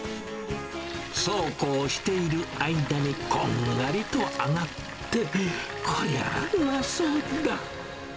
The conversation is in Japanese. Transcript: そうこうしている間に、こんがりと揚がって、こりゃ、うまそうだ。